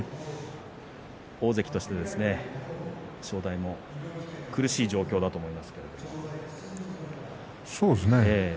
大関として正代も苦しい状況だと思いますけれど。